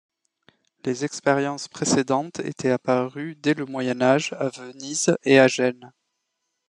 Les expériences précédentes étaient apparues dès le Moyen Âge, à Venise et à Gênes.